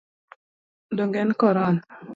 Donge en Korona?